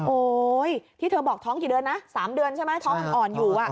โอ๊ยที่เธอบอกท้องกี่เดือนนะ๓เดือนใช่ไหมท้องอ่อนอยู่